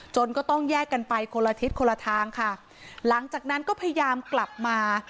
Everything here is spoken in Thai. ก็ต้องแยกกันไปคนละทิศคนละทางค่ะหลังจากนั้นก็พยายามกลับมา